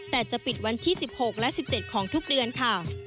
แต่จะปิดวันที่๑๖และ๑๗ของทุกเดือนค่ะ